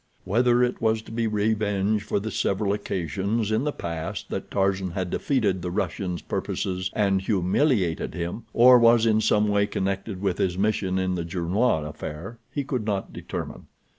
Whether it was to be revenge for the several occasions in the past that Tarzan had defeated the Russian's purposes and humiliated him, or was in some way connected with his mission in the Gernois affair, he could not determine.